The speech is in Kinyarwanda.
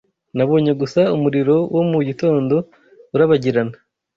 Nabonye gusa umuriro wo mu gitondo urabagirana